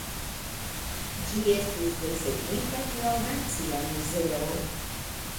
Ĝi estis desegnita kiel nacia muzeo.